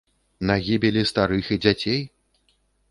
На гібелі старых і дзяцей?!